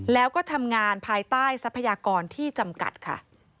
แล้วก็ทำงานภายใต้ทรัพยากรที่จำกัดค่ะ